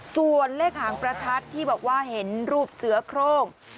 ส่วนเลขหางประทัดที่บอกว่าเห็นรูปเสือโครง